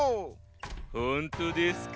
ほんとうですか？